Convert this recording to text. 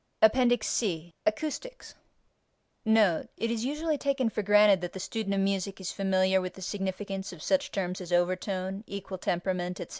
APPENDIX C ACOUSTICS NOTE: It is usually taken for granted that the student of music is familiar with the significance of such terms as over tone, equal temperament, etc.